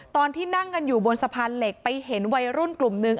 ตอนที่นั่งกันอยู่บนสะพานเหล็กไปเห็นวัยรุ่นกลุ่มนึง